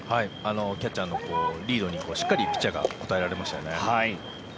キャッチャーのリードにしっかりピッチャーが応えられましたよね。